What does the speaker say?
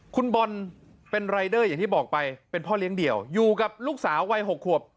คุณบอลเป็นรายเดอร์อย่างที่บอกไปเป็นพ่อเลี้ยงเดี่ยวอยู่กับลูกสาววัย๖ขวบ